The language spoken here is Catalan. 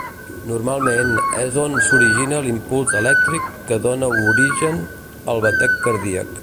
Normalment, és on s'origina l'impuls elèctric que dóna origen al batec cardíac.